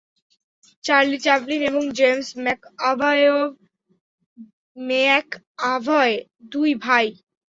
Charlie Chaplin এবং James McAvoy দুই ভাই।